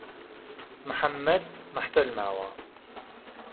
محەممەد مهحتەل ماوه